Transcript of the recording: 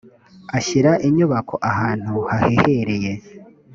ashyira inyubako ahantu hahehereye.